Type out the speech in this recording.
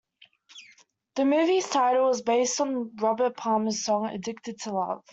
The movie's title is based on Robert Palmer's song "Addicted to Love".